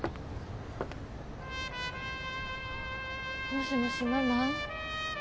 もしもしママ？